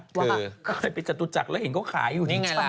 เขาเคยไปจัดตุจักรแล้วเห็นเขาขายอยู่